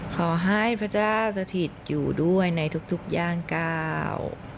ขอให้พระเจ้าสถิตอยู่ด้วยในทุกย่างก้าว